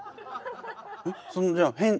えっそのじゃあ